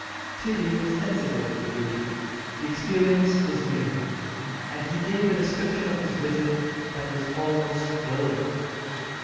Tibby was sensitive to beauty, the experience was new, and he gave a description of his visit that was almost glowing.